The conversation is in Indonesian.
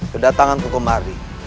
kedatangan tunggu mari